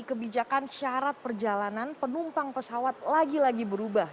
kebijakan syarat perjalanan penumpang pesawat lagi lagi berubah